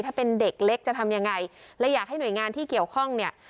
ถ้าเป็นเด็กเล็กจะทำยังไงและอยากให้หน่วยงานที่เกี่ยวข้องเนี่ย